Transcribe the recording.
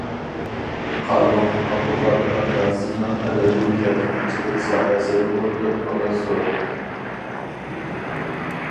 قارلۇق: ئابدۇقادىر ئاكا، سىزنىڭ ئەدەبىي تەرجىمىچىلىك ساھەسىدىمۇ تۆھپىڭىز زور.